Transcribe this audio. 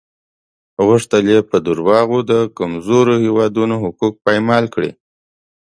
غوښتل یې په دروغو د کمزورو هېوادونو حقوق پایمال کړي.